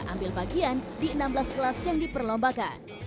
ambil bagian di enam belas kelas yang diperlombakan